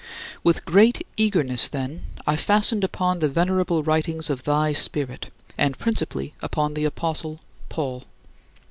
With great eagerness, then, I fastened upon the venerable writings of thy Spirit and principally upon the apostle Paul.